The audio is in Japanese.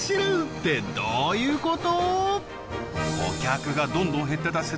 てどういうこと？